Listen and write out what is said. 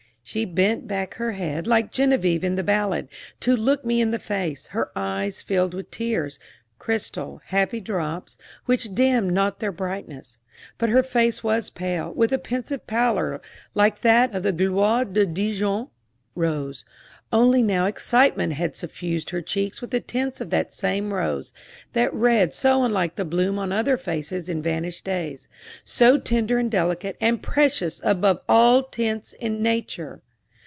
She bent back her head, like Genevieve in the ballad, to look me in the face, her eyes filled with tears crystal, happy drops, which dimmed not their brightness. But her face was pale, with a pensive pallor like that of the Gloire de Dijon rose; only now excitement had suffused her cheeks with the tints of that same rose that red so unlike the bloom on other faces in vanished days; so tender and delicate and precious above all tints in nature!